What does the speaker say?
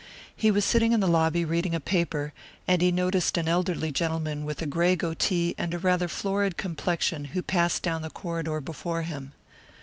He was sitting in the lobby reading a paper, and he noticed an elderly gentleman with a grey goatee and rather florid complexion who passed down the corridor before him.